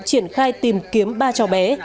triển khai tìm kiếm ba cháu bé